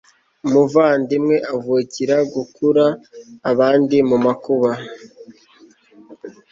umuvandimwe avukira guku ra abandi mu makuba